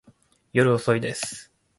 夜遅いです。